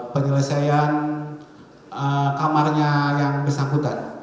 penyelesaian kamarnya yang bersangkutan